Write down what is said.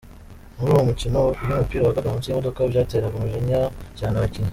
Muri uwo mukino iyo umupira wagwaga munsi y’imodoka, byateraga umujinya cyane abakinnyi.